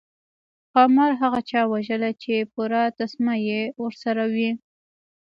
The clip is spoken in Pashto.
ښامار هغه چا وژلی چې پوره تسمه یې ورسره وي.